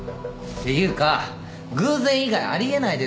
ていうか偶然以外あり得ないですよ。